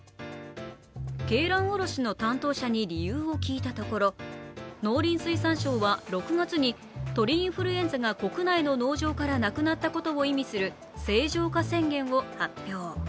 鶏卵卸の担当者に理由を聞いたところ農林水産省は６月に鳥インフルエンザが国内の農場からなくなったことを意味する清浄化宣言を発表。